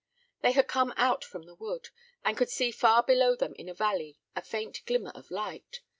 They had come out from the wood, and could see far below them in a valley a faint glimmer of light.